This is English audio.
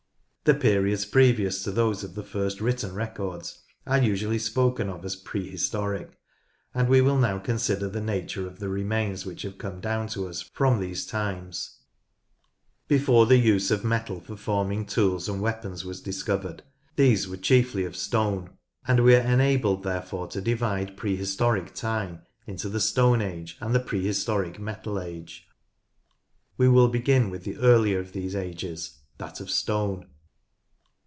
The periods previous to those of the first written records are usually spoken of as "Prehistoric," and we will now consider the nature of the remains which have come down to us from these times. Before the use of metal for forming tools and weapons was discovered these were chiefly of stone, and we are Prehistoric Implements i, 2, Palaeolithic; 3, 4, 5 Neolithic ; 6 Bronze Age ANTIQUITIES 113 enabled therefore to divide prehistoric time into the Stone Age and the Prehistoric Metal Age. We will begin with the earlier of these ages — that of stone.